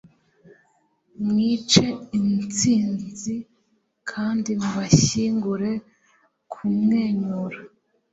Mwice intsinzi kandi mubashyingure kumwenyura.”